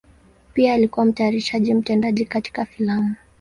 Pia alikuwa mtayarishaji mtendaji katika filamu.